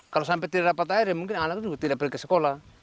kalau sampai tidak dapat air ya mungkin anak itu tidak pergi ke sekolah